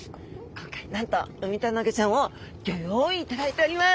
今回なんとウミタナゴちゃんをギョ用意いただいております！